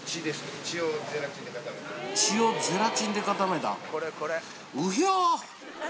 血をゼラチンで固めたん？